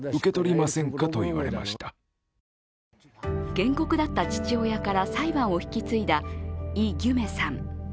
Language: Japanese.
原告だった父親から裁判を引き継いだイ・ギュメさん。